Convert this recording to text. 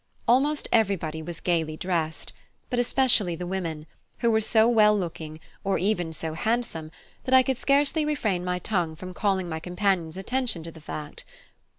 Almost everybody was gaily dressed, but especially the women, who were so well looking, or even so handsome, that I could scarcely refrain my tongue from calling my companion's attention to the fact.